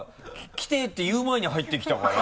「来て」っていう前に入ってきたから。